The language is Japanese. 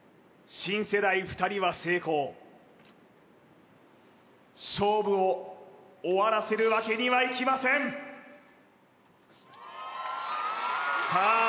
新世代２人は成功勝負を終わらせるわけにはいきませんさあ